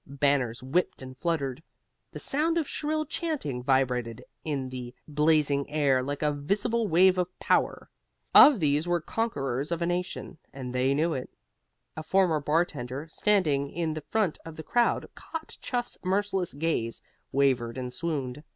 Banners whipped and fluttered. The sound of shrill chanting vibrated in the blazing air like a visible wave of power. These were conquerors of a nation, and they knew it. A former bartender, standing in the front of the crowd, caught Chuff's merciless gaze, wavered, and swooned.